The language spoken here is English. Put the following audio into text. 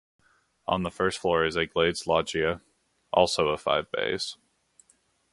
On the first floor is a glazed loggia, also of five bays.